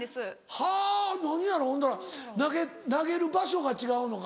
はぁ何やろほんだら投げる場所が違うのか？